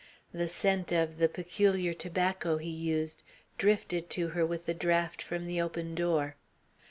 The scent of the peculiar tobacco he used drifted to her with the draught from the open door.